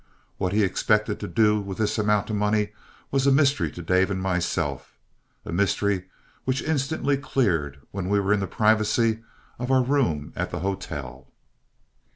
What he expected to do with this amount of money was a mystery to Dave and myself, a mystery which instantly cleared when we were in the privacy of our room at the hotel.